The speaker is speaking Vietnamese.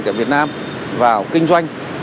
tại việt nam vào kinh doanh